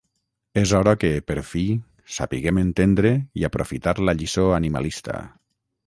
És hora que, per fi, sapiguem entendre i aprofitar la lliçó animalista.